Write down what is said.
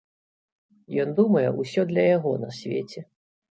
Ён думае, усё для яго на свеце.